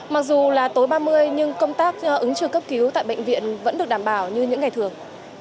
mặc dù là tối ba mươi nhưng công tác ứng trực cấp cứu tại bệnh viện vẫn được đảm bảo như những ngày thường